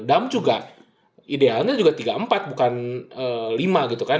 dam juga idealnya juga tiga empat bukan lima gitu kan